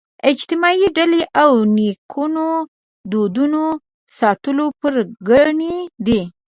اجتماعي ډلې او نیکونو دودونو ساتلو پرګنې دي